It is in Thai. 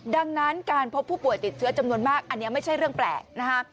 ดังนั้นการพบผู้ป่วยติดเชื้อจำนวนมากอันนี้ไม่ใช่เรื่องแปลกนะฮะ